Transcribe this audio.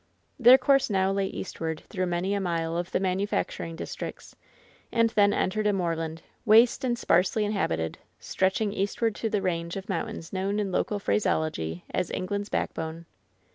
Their course now lay eastward through many a mile of the manufacturing districts, and then entered a moor land, waste and sparsely inhabited, stretching eastward to the range of mountains known in local phraseology as "England's Backbone."